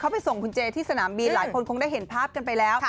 ไปส่งคุณเจที่สนามบินหลายคนคงได้เห็นภาพกันไปแล้ว